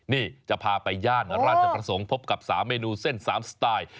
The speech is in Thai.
นี่จะพาไปย่านราชประสงค์พบกับ๓เมนูเส้น๓สไตล์